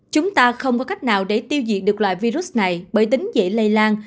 chúng ta không có cách nào để tiêu diệt được loại virus này bởi tính dễ lây lan